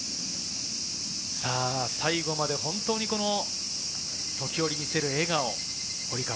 最後まで本当に時折見せる笑顔、堀川。